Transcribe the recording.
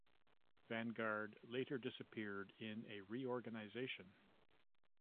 Vanguard later disappeared in a reorganization.